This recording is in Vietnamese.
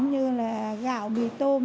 như là gạo mì tôm